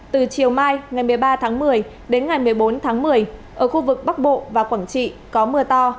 từ chiều mai ngày một mươi ba tháng một mươi đến ngày một mươi bốn tháng một mươi ở khu vực bắc bộ và quảng trị có mưa to